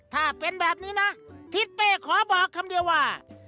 ถ้าเป็นแบบนี้นะทิศเป้ขอบอกคำเดียวว่า